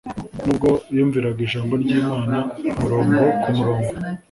Nubwo yumviraga Ijambo ry'Imana umurongo ku murongo,